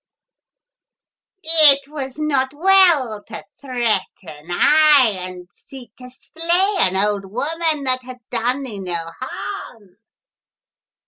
" It was not well to threaten, aye, and seek to slay an old woman that had done thee no harm